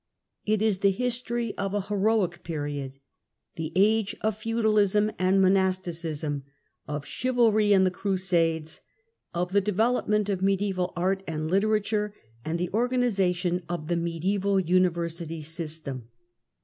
It is the history of a heroic period, the age of feudalism and monasticism, of chivalry and the Crusades, of the development of mediaeval art and literature, and the organization of the mediaeval University system.